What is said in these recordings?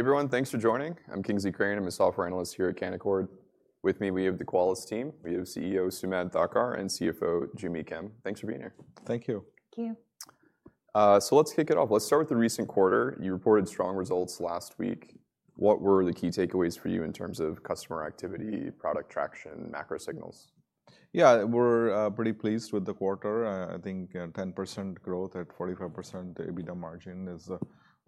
Hey everyone. Thanks for joining. I'm Kingsley Crane. I'm a Software Analyst here at Canaccord Genuity. With me we have the Qualys team, we have CEO Sumedh Thakar and CFO Joo Mi Kim. Thanks for being here. Thank you. Thank you. Let's kick it off. Let's start with the recent quarter. You reported strong results last week. What were the key takeaways for you in terms of customer activity, product traction, macro signals? Yeah, we're pretty pleased with the quarter. I think 10% growth at 45% EBITDA margin was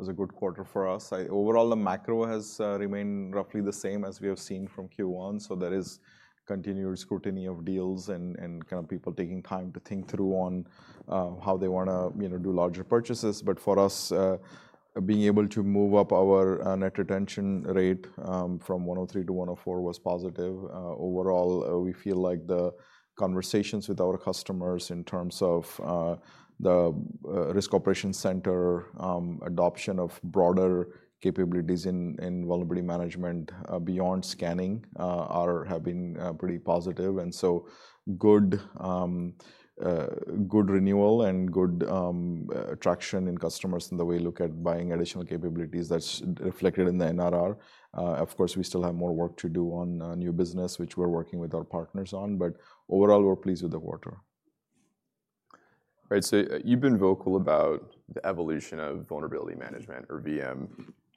a good quarter for us. Overall, the macro has remained roughly the same as we have seen from Q1. There is continued scrutiny of deals and people taking time to think through on how they want to do larger purchases. For us, being able to move up our net retention rate from 103%-104% was positive. Overall, we feel like the conversations with our customers in terms of the Risk Operations Center adoption of broader capabilities in vulnerability management beyond scanning have been pretty positive. Good renewal and good traction in customers in the way they look at buying additional capabilities. That's reflected in the NRR. Of course, we still have more work to do on new business, which we're working with our partners on, but overall we're pleased with the quarter. All right, so you've been vocal about the evolution of vulnerability management, or VM.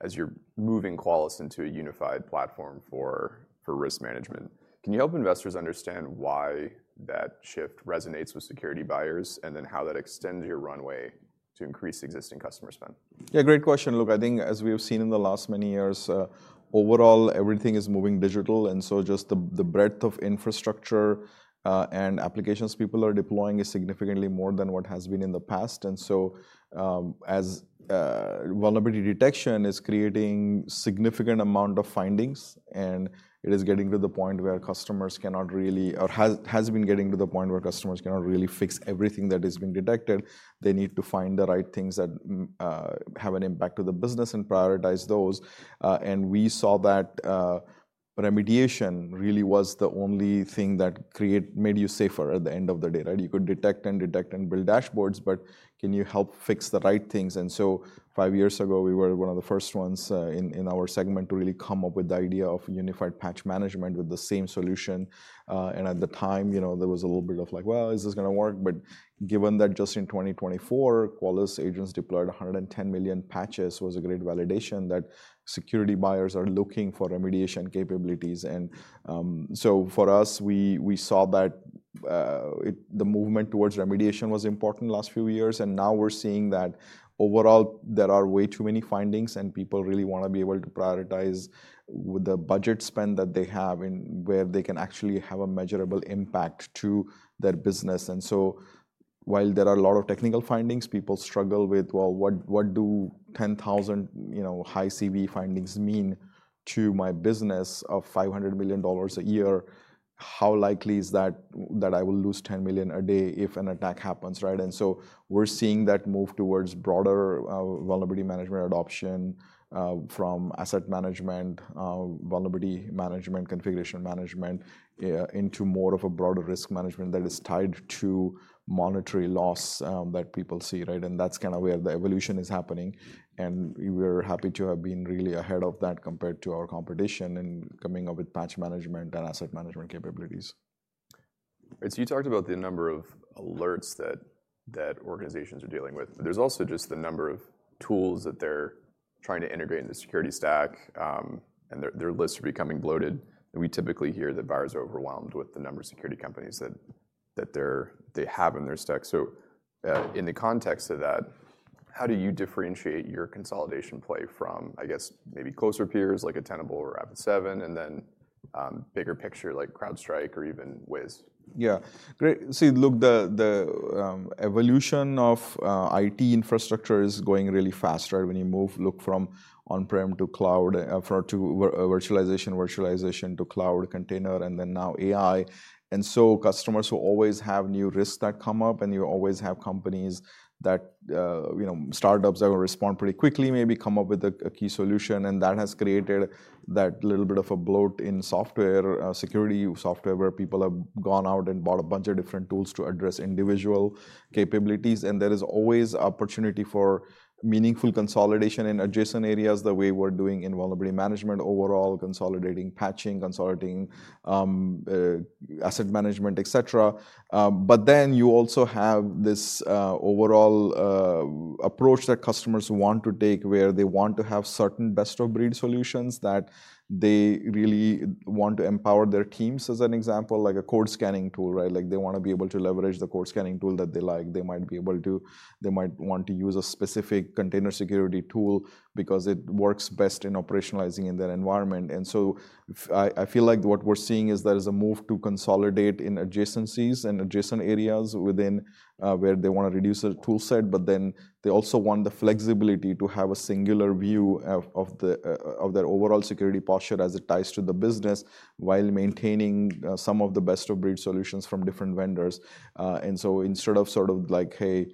As you're moving Qualys into a unified platform for risk management, can you help investors understand why that shift resonates with security buyers, and then how that extends your runway to increase existing customer spend? Yeah, great question. Look, I think as we have seen in the last many years, overall everything is moving digital. Just the breadth of infrastructure and applications people are deploying is significantly more than what has been in the past. As vulnerability detection is creating a significant amount of findings, it is getting to the point where customers cannot really fix everything that is being detected. They need to find the right things that have an impact to the business and prioritize those. We saw that remediation really was the only thing that made you safer. At the end of the day, you could detect and detect and build dashboards, but can you help fix the right things? Five years ago, we were one of the first ones in our segment to really come up with the idea of unified patch management with the same solution. At the time there was a little bit of like, is this going to work? Given that just in 2024 Qualys agents deployed 110 million patches, it was a great validation that security buyers are looking for remediation capabilities. For us, we saw that the movement towards remediation was important the last few years and now we're seeing that overall there are way too many findings and people really want to be able to prioritize with the budget spend that they have and where they can actually have a measurable impact to their business. While there are a lot of technical findings, people struggle with, what do 10,000 high CV findings mean to my business of $500 million a year? How likely is that that I will lose $10 million a day if an attack happens? We're seeing that move towards broader vulnerability management adoption from asset management, vulnerability configuration management into more of a broader risk management that is tied to monetary loss that people see. That's kind of where the evolution is happening and we're happy to have been really ahead of that compared to our competition and coming up with patch management and asset management capabilities. You talked about the number of alerts that organizations are dealing with. There's also just the number of tools that they're trying to integrate in the security stack, and their lists are becoming bloated. We typically hear that buyers are overwhelmed with the number of security companies that they have in their stack. In the context of that, how do you differentiate your consolidation play from, I guess, maybe closer peers like a Tenable or Rapid7, and then bigger picture like CrowdStrike or even Wiz? Yeah, great. See, look, the evolution of IT infrastructure is going really fast when you move, look from on prem to cloud to virtualization, virtualization to cloud container and then now AI. Customers always have new risks that come up and you always have companies, startups that will respond pretty quickly, maybe come up with a key solution, and that has created that little bit of a bloat in security software where people have gone out and bought a bunch of different tools to address individual capabilities. There is always opportunity for meaningful consolidation in adjacent areas, the way we're doing in vulnerability management overall, consolidating, patching, consolidating, asset management, etc. You also have this overall approach that customers want to take where they want to have certain best of breed solutions that they really want to empower their teams. As an example, like a code scanning tool, they want to be able to leverage the code scanning tool that they like. They might want to use a specific container security tool because it works best in operationalizing in their environment. I feel like what we're seeing is there is a move to consolidate in adjacencies and adjacent areas within where they want to reduce their tool set. They also want the flexibility to have a singular view of their overall security posture as it ties to the business while maintaining some of the best of breed solutions from different vendors. Instead of sort of like, hey,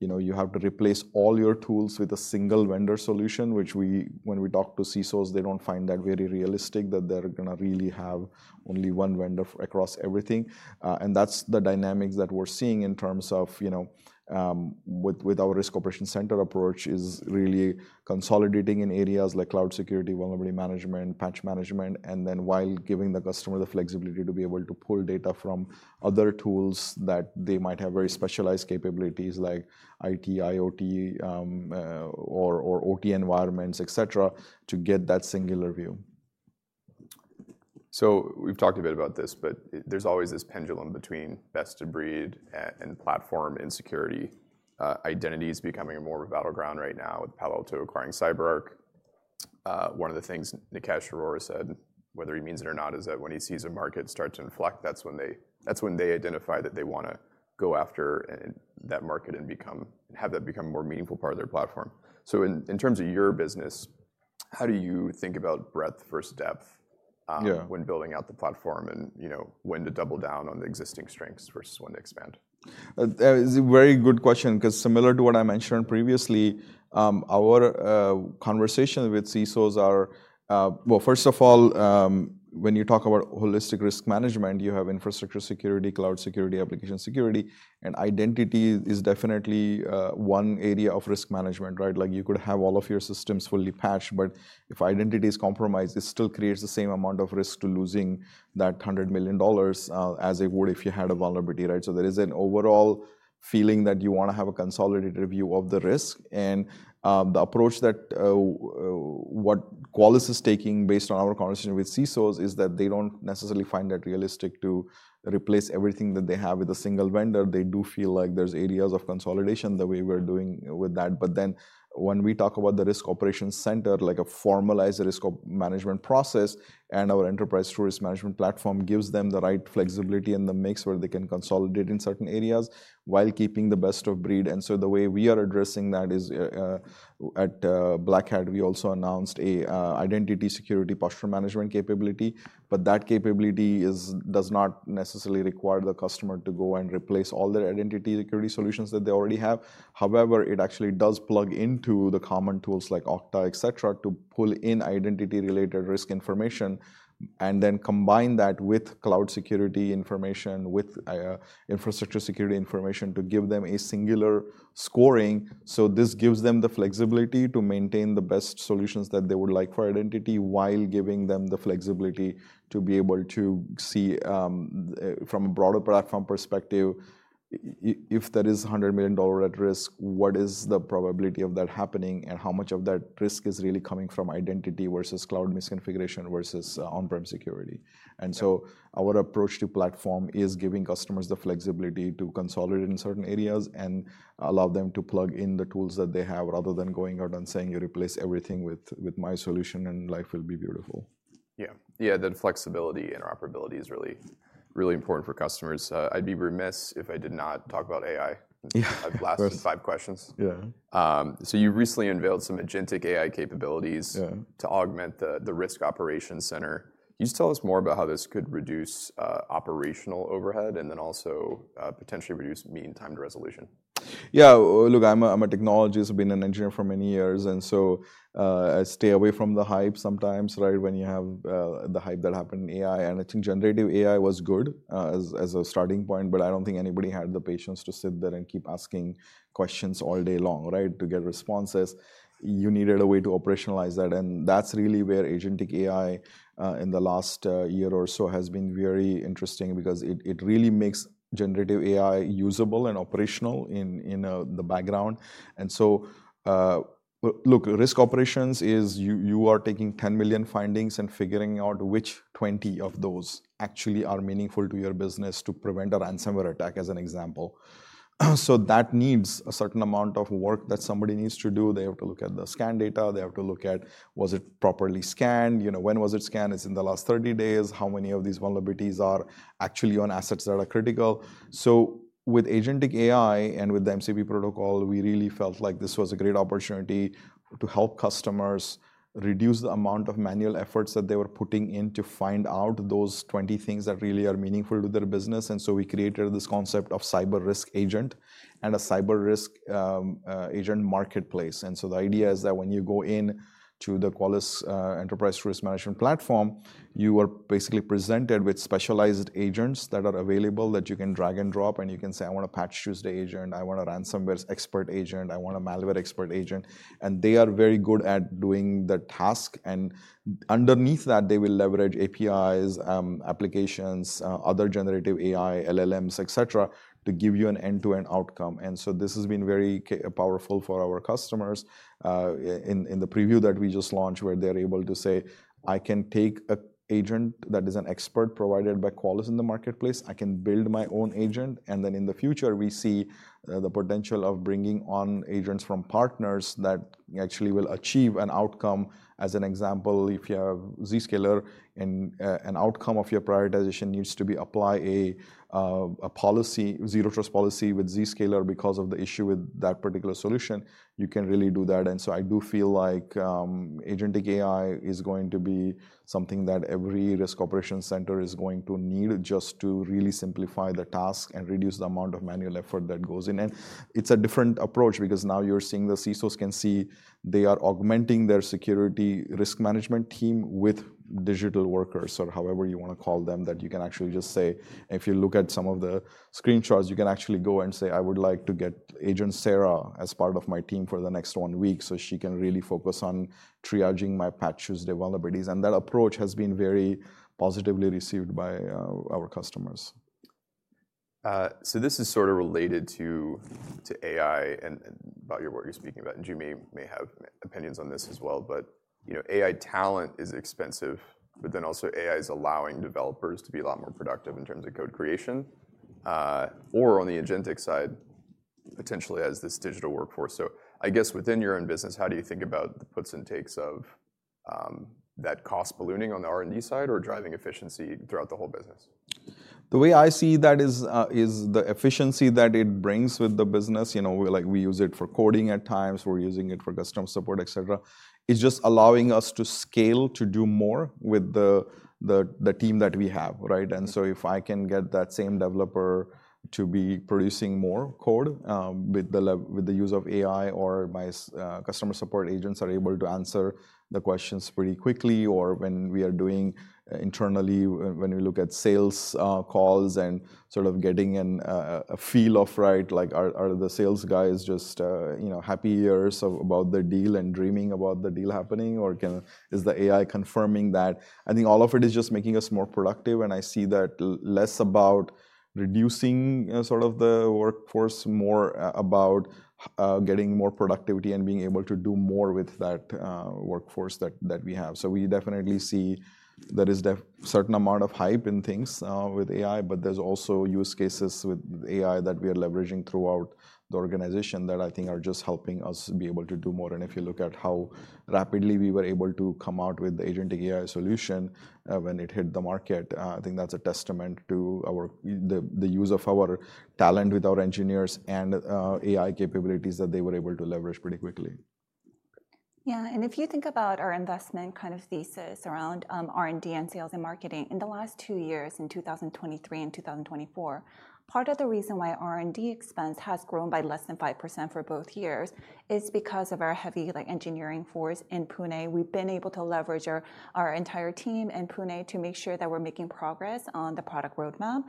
you have to replace all your tools with a single vendor solution, which when we talk to CISOs, they don't find that very realistic that they're going to really have only one vendor across everything. That's the dynamics that we're seeing in terms of with our Risk Operations Center approach, really consolidating in areas like cloud security, vulnerability management, patch management, and then while giving the customer the flexibility to be able to pull data from other tools that they might have, very specialized capabilities like IT, IoT or OT environments, etc. to get that singular view. We've talked a bit about this, but there's always this pendulum between best of breed and platform in security. Identity is becoming more of a battleground right now with Palo Alto acquiring CyberArk. One of the things Nikesh Arora said, whether he means it or not, is that when he sees a market start to inflect, that's when they identify that they want to go after that market and have that become a more meaningful part of their platform. In terms of your business, how do you think about breadth first, depth when building out the platform and when to double down on the existing strengths versus when to expand? It's a very good question because similar to what I mentioned previously, our conversation with CISOs are. First of all, when you talk about holistic risk management, you have infrastructure security, cloud security, application security, and identity is definitely one area of risk management, right? Like you could have all of your systems fully patched, but if identity is compromised, it still creates the same amount of risk to losing that $100 million as it would if you had a vulnerability, right. There is an overall feeling that you want to have a consolidated review of the risk and the approach that what Qualys is taking based on our conversation with CISOs is that they don't necessarily find that realistic to replace everything that they have with a single vendor. They do feel like there's areas of consolidation the way we're doing with that. When we talk about the Risk Operations Center, like a formalized risk management process, our Enterprise TruRisk Platform gives them the right flexibility in the mix where they can consolidate in certain areas while keeping the best of breed. The way we are addressing that is at Black Hat we also announced an identity security posture management capability. That capability does not necessarily require the customer to go and replace all their identity security solutions that they already have. However, it actually does plug into the common tools like Okta, et cetera, to pull in identity related risk information and then combine that with cloud security information, with infrastructure security information to give them a singular scoring. This gives them the flexibility to maintain the best solutions that they would like for identity while giving them the flexibility to be able to see from a broader platform perspective, if there is $100 million at risk, what is the probability of that happening and how much of that risk is really coming from identity versus cloud misconfiguration versus on-prem security. Our approach to platform is giving customers the flexibility to consolidate in certain areas and allow them to plug in the tools that they have rather than going out and saying, you replace everything with my solution and life will be beautiful. Yeah, yeah. Flexibility, interoperability is really, really important for customers. I'd be remiss if I did not talk about AI. I've lasted five questions. You recently unveiled some agentic AI capabilities to augment the Risk Operations Center. Can you just tell us more about how this could reduce operational overhead and then also potentially reduce mean time to resolution? Yeah, look, I'm a technologist, been an engineer for many years and stay away from the hype. Sometimes you have the hype that happened with AI and I think generative AI was good as a starting point, but I don't think anybody had the patience to sit there and keep asking questions all day long to get responses. You needed a way to operationalize that. That's really where agentic AI in the last year or so has been very interesting because it really makes generative AI usable and operational in the background. Risk operations is you are taking 10 million findings and figuring out which 20 of those actually are meaningful to your business to prevent a ransomware attack, as an example. That needs a certain amount of work that somebody needs to do. They have to look at the scan data. They have to look at was it properly scanned, when was it scanned, it's in the last 30 days. How many of these vulnerabilities are actually on assets that are critical. With agentic AI and with the MCP protocol, we really felt like this was a great opportunity to help customers reduce the amount of manual efforts that they were putting in to find out those 20 things that really are meaningful to their business. We created this concept of cyber risk agent and a cyber risk agent marketplace. The idea is that when you go into the Qualys Enterprise TruRisk Platform, you are basically presented with specialized agents that are available that you can drag and drop and you can say, I want a Patch Tuesday agent, I want a ransomware expert agent, I want a malware expert agent. They are very good at doing the task. Underneath that, they will leverage APIs, applications, other generative AI LLMs, et cetera, to give you an end-to-end outcome. This has been very powerful for our customers in the preview that we just launched where they're able to say, I can take an agent that is an expert provided by Qualys in the marketplace, I can build my own agent. In the future we see the potential of bringing on agents from partners that actually will achieve an outcome. As an example, if you have Zscaler and an outcome of your prioritization needs to be apply a policy, zero trust policy with Zscaler because of the issue with that particular solution, you can really do that. I do feel like agentic AI is going to be something that every Risk Operations Center is going to need just to really simplify the task and reduce the amount of manual effort that goes in. It's a different approach because now you're seeing the CISOs can see they are augmenting their security risk management team with digital workers, or however you want to call them. You can actually just say, if you look at some of the screenshots, you can actually go and say, I would like to get agent Sarah as part of my team for the next one week so she can really focus on triaging my patches, develop these. That approach has been very positively received by our customers. This is sort of related to AI and about your work you're speaking about. Joo Mi may have opinions on this as well, but you know, AI talent is expensive. AI is allowing developers to be a lot more productive in terms of code creation or on the agentic side potentially has this digital workforce. I guess within your own business, how do you think about the puts and takes of that cost ballooning on the R&D side or driving efficiency throughout the whole business? The way I see that is the efficiency that it brings with the business. We use it for coding at times, we're using it for customer support, et cetera. It's just allowing us to scale to do more with the team that we have. If I can get that same developer to be producing more code with the use of AI, or my customer support agents are able to answer the questions pretty quickly, or when we are doing internally, when you look at sales calls and sort of getting a feel of, right, like are the sales guys just happy ears about the deal and dreaming about the deal happening, or is the AI confirming that? I think all of it is just making us more productive. I see that less about reducing the workforce, more about getting more productivity and being able to do more with that workforce that we have. We definitely see there is a certain amount of hype in things with AI, but there's also use cases with AI that we are leveraging throughout the organization that I think are just helping us be able to do more. If you look at how rapidly we were able to come out with the agentic AI solution when it hit the market, I think that's a testament to the use of our talent with our engineers and AI capabilities that they were able to leverage pretty quickly. Yeah. If you think about our investment kind of thesis around R&D and sales and marketing in the last two years in 2023 and 2024, part of the reason why R&D expense has grown by less than 5% for both years is because of our heavy engineering force in Pune. We've been able to leverage our entire team in Pune to make sure that we're making progress on the product roadmap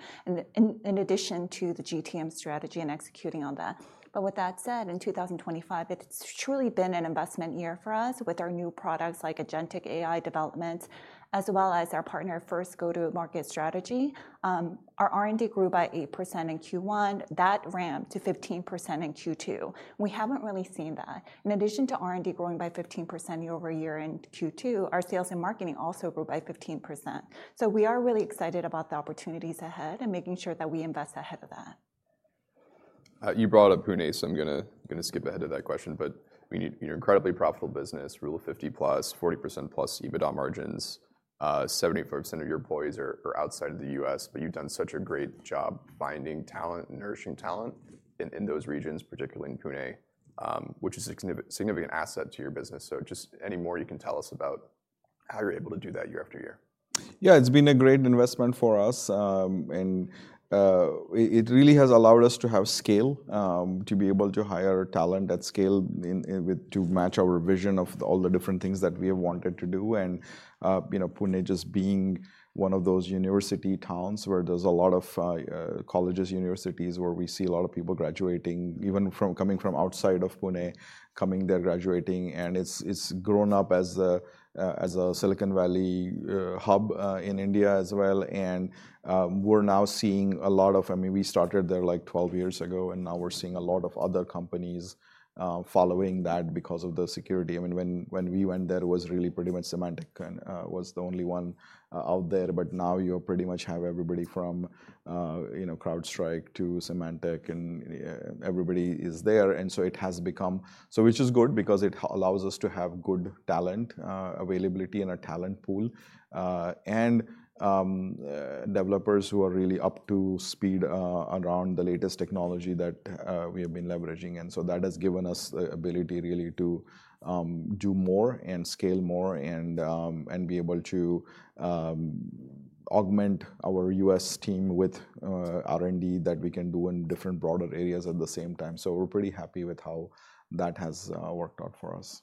in addition to the GTM strategy and executing on that. With that said, in 2025, it's truly been an investment year for us with agentic AI developments as well as our partner first go to market strategy. Our R&D grew by 8% in Q1. That ramped to 15% in Q2. We haven't really seen that. In addition to R&D growing by 15% year over year in Q2, our sales and marketing also grew by 15%. We are really excited about the opportunities ahead and making sure that we invest ahead of that. You brought up Pune, so I'm going to skip ahead of that question. You're incredibly profitable. Business rule of 50 plus 40% plus EBITDA margins. 75% of your employees are outside of the U.S., but you've done such a great job finding talent, nourishing talent in those regions, particularly in Pune, which is a significant asset to your business. Any more you can tell us about how you're able to do that year after year? Yeah, it's been a great investment for us, and it really has allowed us to have scale, to be able to hire talent at scale, to match our vision of all the different things that we have wanted to do. Pune is just one of those university towns where there's a lot of colleges, universities, where we see a lot of people graduating, even from outside of Pune, coming there, graduating. It's grown up as a Silicon Valley hub in India as well. We started there like 12 years ago, and now we're seeing a lot of other companies following that because of the security. When we went there, it was really pretty much Symantec and was the only one out there, but now you pretty much have everybody from CrowdStrike to Symantec, and everybody is there. It has become, which is good, because it allows us to have good talent availability and a talent pool and developers who are really up to speed around the latest technology that we have been leveraging. That has given us the ability really to do more and scale more and be able to augment our U.S. team with R&D that we can do in different broader areas at the same time. We're pretty happy with how that has worked out for us.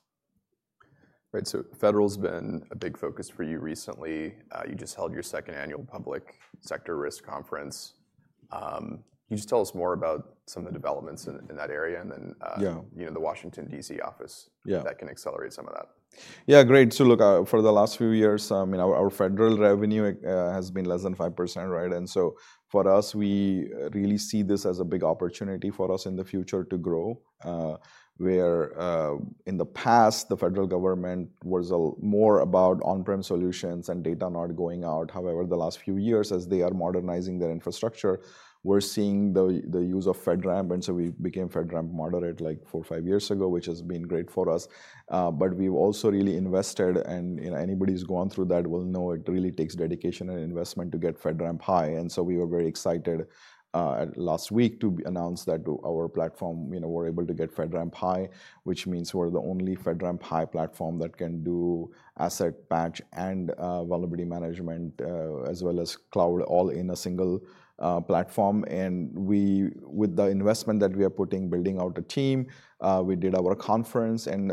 Right. Federal's been a big focus for you recently. You just held your second annual public sector risk conference. Can you tell us more about some of the developments in that area and the Washington D.C. office that can accelerate some of that? Yeah, great. For the last few years, our federal revenue has been less than 5%. For us, we really see this as a big opportunity for us in the future to grow where in the past the federal government was more about on-prem solutions and data not going out. However, the last few years as they are modernizing their infrastructure, we're seeing the use of FedRAMP. We became FedRAMP moderate like four or five years ago, which has been great for us. We've also really invested, and anybody who's gone through that will know it really takes dedication and investment to get FedRAMP High. We were very excited last week to announce that our platform was able to get FedRAMP High, which means we're the only FedRAMP High platform that can do asset, patch, and vulnerability management as well as cloud, all in a single platform. With the investment that we are putting, building out a team, we did our conference and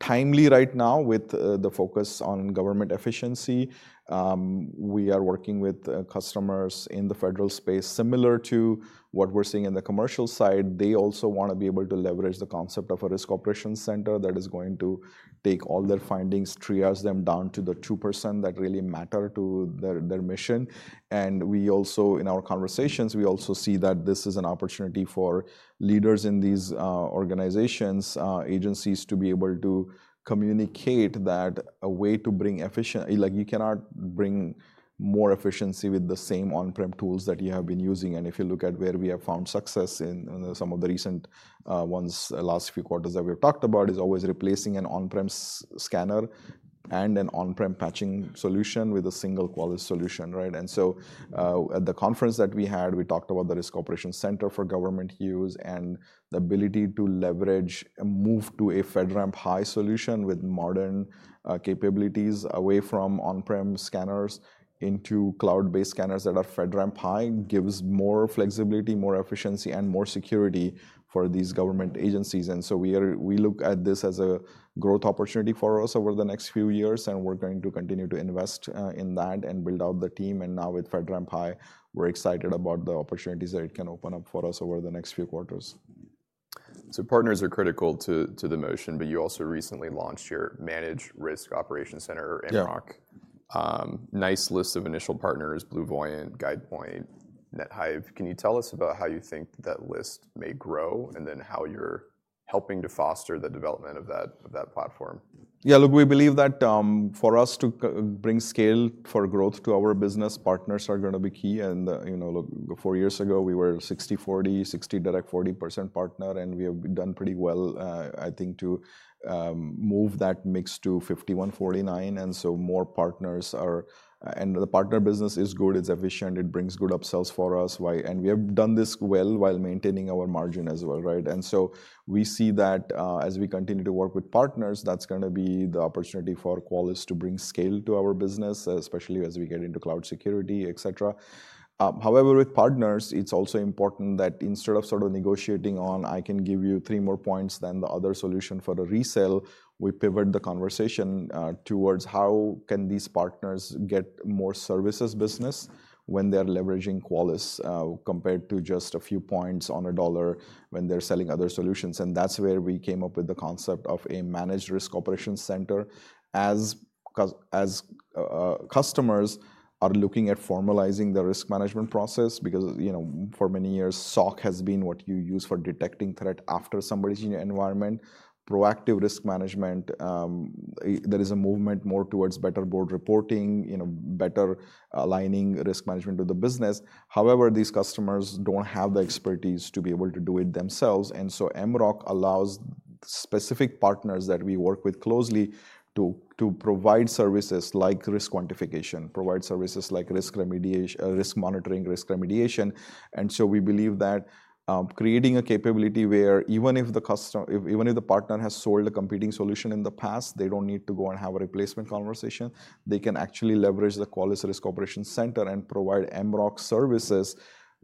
timely right now with the focus on government efficiency, we are working with customers in the federal space similar to what we're seeing in the commercial side. They also want to be able to leverage the concept of a Risk Operations Center that is going to take all their findings, triage them down to the 2% that really matter to their mission. In our conversations, we also see that this is an opportunity for leaders in these organizations, agencies to be able to communicate that a way to bring efficient—like you cannot bring more efficiency with the same on-prem tools that you have been using. If you look at where we have found success in some of the recent ones last few quarters that we've talked about, it is always replacing an on-prem scanner and an on-prem patching solution with a single Qualys solution. At the conference that we had, we talked about the Risk Operations Center for government use and the ability to leverage and move to a FedRAMP High solution with modern capabilities away from on-prem scanners into cloud-based scanners that are FedRAMP High, which gives more flexibility, more efficiency, and more security for these government agencies. We look at this as a growth opportunity for us over the next few years, and we're going to continue to invest in that and build out the team. Now with FedRAMP High, we're excited about the opportunities that it can open up for us over the next few quarters. Partners are critical to the motion. You also recently launched your Managed Risk Operations Center. Nice list of initial partners: BlueVoyant, GuidePoint, Nethive. Can you tell us about how you think that list may grow, and then how you're helping to foster the development of that platform? Yeah, look, we believe that for us to bring scale for growth to our business, partners are going to be key. Four years ago we were 60/40, 60% direct, 40% partner. We have done pretty well, I think, to move that mix to 51/49. More partners are, and the partner business is good, it's efficient, it brings good upsells for us, and we have done this well while maintaining our margin as well. We see that as we continue to work with partners, that's going to be the opportunity for Qualys to bring scale to our business, especially as we get into cloud security, et cetera. However, with partners it's also important that instead of sort of negotiating on, I can give you three more points than the other solution for a resale, we pivot the conversation towards how can these partners get more services business when they're leveraging Qualys compared to just a few points on a dollar when they're selling other solutions. That's where we came up with the concept of a Managed Risk Operations Center. As customers are looking at formalizing the risk management process, because for many years SOC has been what you use for detecting threat after somebody's in your environment, proactive risk management. There is a movement more towards better board reporting, better aligning risk management to the business. However, these customers don't have the expertise to be able to do it themselves. MROC allows specific partners that we work with closely to provide services like risk quantification, provide services like risk monitoring, risk remediation. We believe that creating a capability where even if the partner has sold a competing solution in the past, they don't need to go and have a replacement conversation, they can actually leverage the Qualys Risk Operations Center and provide MROC services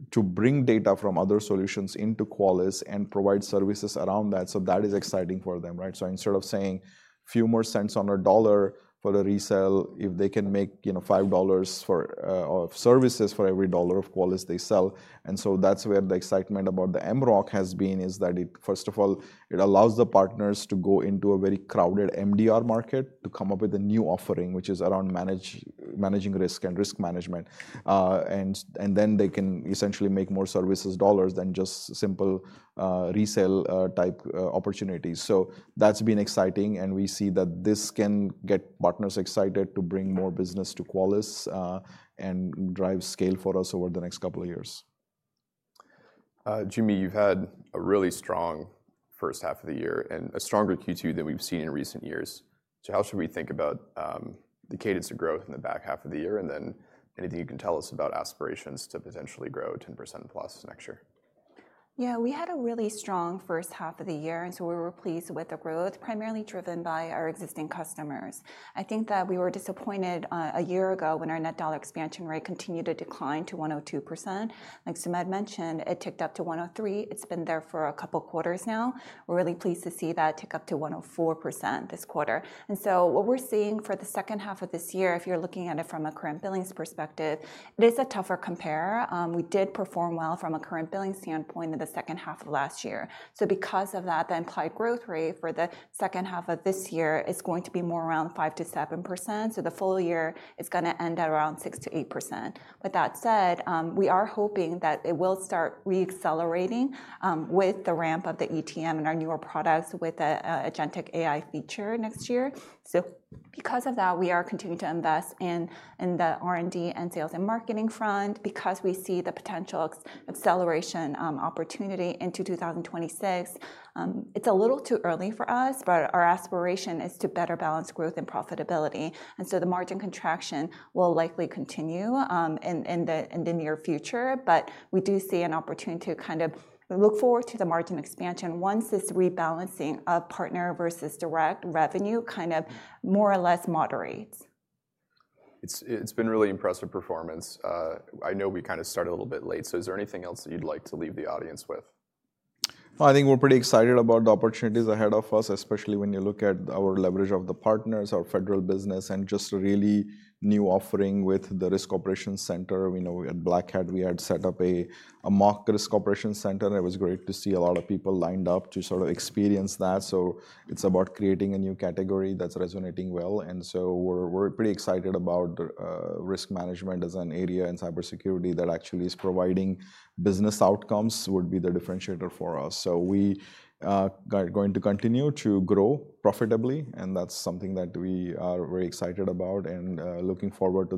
to bring data from other solutions into Qualys and provide services around that. That is exciting for them. Instead of saying a few more cents on a dollar for a resale, if they can make $5 of services for every dollar of Qualys they sell. That's where the excitement about the MROC has been, is that first of all it allows the partners to go into a very crowded MDR market to come up with a new offering which is around managing risk and risk management, and then they can essentially make more services dollars than just simple resale type opportunities. That's been exciting, and we see that this can get partners excited to bring more business to Qualys and drive scale for us over the next couple of years. Mi, you've had a really strong first half of the year and a stronger Q2 than we've seen in recent years. How should we think about the cadence of growth in the back half of the year, and anything you can tell us about aspirations to potentially grow 10%+ next year? Yeah, we had a really strong first half of the year, and we were pleased with the growth primarily driven by our existing customers. I think that we were disappointed a year ago when our net dollar expansion rate continued to decline to 102%. Like Sumedh mentioned, it ticked up to 103%. It's been there for a couple quarters now. We're really pleased to see that tick up to 104% this quarter. What we're seeing for the second half of this year, if you're looking at it from a current billings perspective, it is a tougher compare. We did perform well from a current billing standpoint in the second half of last year. Because of that, the implied growth rate for the second half of this year is going to be more around 5%-7%. The full year is going to be around 6%-8%. That said, we are hoping that it will start re-accelerating with the ramp of the Enterprise TruRisk Management and our newer products with agentic AI feature next year. Because of that, we are continuing to invest in the R&D and sales and marketing front because we see the potential acceleration opportunity into 2026. It's a little too early for us, but our aspiration is to better balance growth and profitability, and the margin contraction will likely continue in the near future. We do see an opportunity to kind of look forward to the margin expansion once this rebalancing of partner versus direct revenue kind of more or less moderates. It's been really impressive performance. I know we kind of started a little bit late, so is there anything else that you'd like to leave the audience with? I think we're pretty excited about the opportunities ahead of us, especially when you look at our leverage of the partners, our federal business, and just really new offering with the Risk Operations Center. We know at Black Hat we had set up a mock Risk Operations Center. It was great to see a lot of people lined up to sort of experience that. It's about creating a new category that's resonating well. We're pretty excited about risk management as an area in cybersecurity that actually is providing business outcomes, which would be the differentiator for us. We are going to continue to grow profitably, and that's something that we are very excited about and looking forward to.